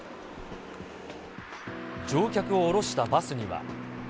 乗客を降ろしたバスには。